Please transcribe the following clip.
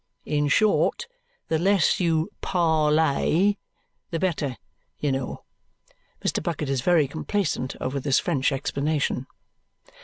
In short, the less you PARLAY, the better, you know." Mr. Bucket is very complacent over this French explanation.